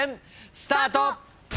スタート。